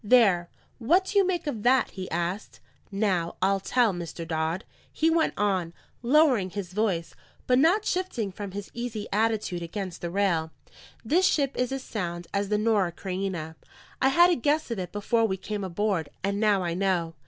"There, what do you make of that?" he asked. "Now, I'll tell, Mr. Dodd," he went on, lowering his voice, but not shifting from his easy attitude against the rail, "this ship is as sound as the Norah Creina. I had a guess of it before we came aboard, and now I know."